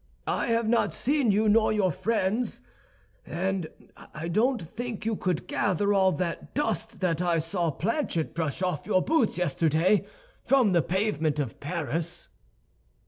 I have not seen you nor your friends, and I don't think you could gather all that dust that I saw Planchet brush off your boots yesterday from the pavement of Paris."